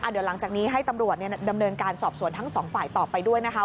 เดี๋ยวหลังจากนี้ให้ตำรวจดำเนินการสอบสวนทั้งสองฝ่ายต่อไปด้วยนะคะ